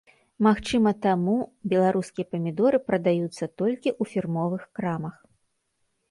Магчыма таму беларускія памідоры прадаюцца толькі ў фірмовых крамах.